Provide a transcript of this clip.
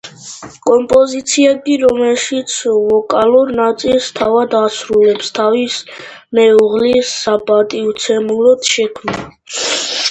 კომპოზიცია კი რომელშიც ვოკალურ ნაწილს თავად ასრულებს, თავის მეუღლის საპატივცემულოდ შექმნა.